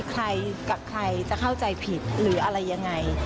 ใครกับใครจะเข้าใจผิดหรืออะไรยังไง